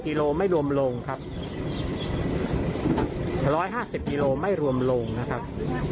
กิโลไม่รวมโลงครับ๑๕๐กิโลไม่รวมโลงนะครับ